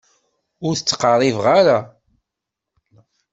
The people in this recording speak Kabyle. Ur d-ttqerrib ara.